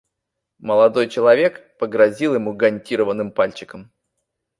Молодой человек погрозил ему гантированным пальчиком.